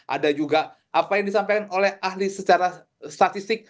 ada juga apa yang disampaikan oleh ahli secara statistik